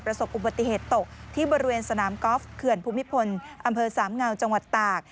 กระสบอุปติเหตุตกที่บริเวณสนามก๊อฟเคือนภูมิพลอำเภอ๓งจังหวัดตาก